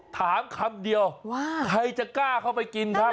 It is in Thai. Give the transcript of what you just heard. ถามคำเดียวว่าใครจะกล้าเข้าไปกินครับ